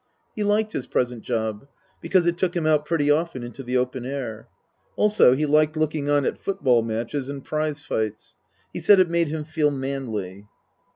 He liked his present job, because it took him out pretty often into the open air. Also he liked looking on at football matches and prize fights. He said it made him feel manly.